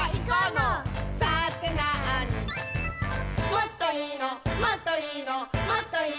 もっといいのない？」